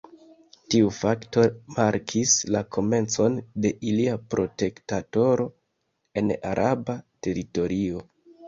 Tiu fakto markis la komencon de ilia protektorato en araba teritorio.